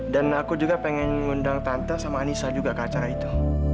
dan aku juga pengen ngundang tante sama anissa juga ke acara itu